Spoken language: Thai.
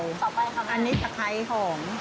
ต่อไปค่ะแม่อันนี้สะไข่หอม